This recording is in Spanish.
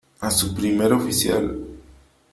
a su primer oficial .